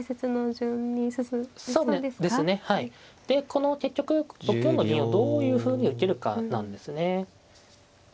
でこの結局６四の銀をどういうふうに受けるかなんですね。